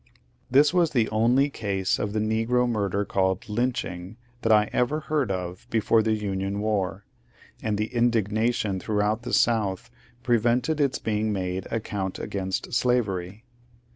This was the only case of the negro murder called ^^ lynch ing" that I ever heard of before the Union war, and the indignation throughout the South prevented its being made a / count against slavery.